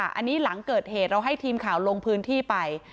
อันนี้หลังเกิดเหตุเราให้ทีมข่าวลงพื้นที่ไป